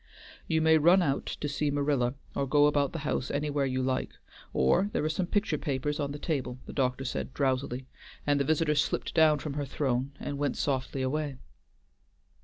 "You may run out to see Marilla, or go about the house anywhere you like; or there are some picture papers on the table," the doctor said drowsily, and the visitor slipped down from her throne and went softly away.